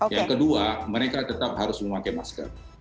yang kedua mereka tetap harus memakai masker